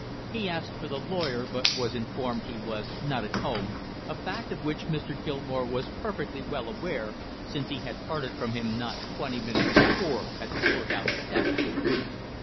He asked for the lawyer, but was informed he was not at home, a fact of which Mr. Gilmore was perfectly well aware, since he had parted from him not twenty minutes before at the court house steps.